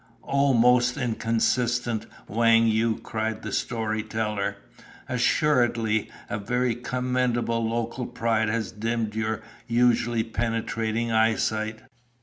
"O most inconsistent Wang Yu!" cried the story teller, "assuredly a very commendable local pride has dimmed your usually penetrating eyesight.